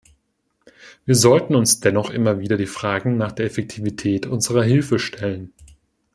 Wir sollten uns dennoch immer wieder die Frage nach der Effektivität unserer Hilfe stellen.